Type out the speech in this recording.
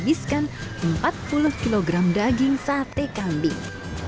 sehingga sehari hari menghabiskan empat puluh kg daging sate kambing